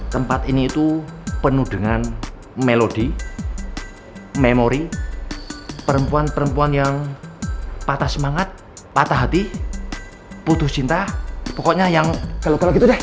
tempat ini itu penuh dengan melodi memori perempuan perempuan yang patah semangat patah hati putus cinta pokoknya yang kalau gitu deh